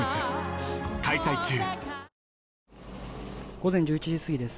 午前１１時過ぎです。